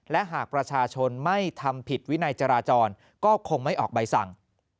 และหากประชาชนไม่ทำผิดวินัยจราจรก็คงไม่ออกใบสั่ง